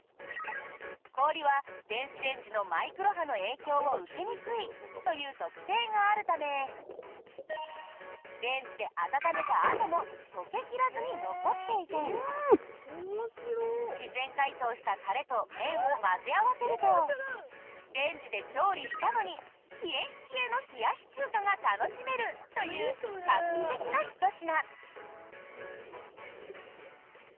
氷は電子レンジのマイクロ波の影響を受けにくいという特性があるためレンジで温めたあとも溶け切らずに残っていて自然解凍したタレと麺を混ぜ合わせるとレンジで調理したのに冷え冷えの冷やし中華が楽しめるという画期的なひと品！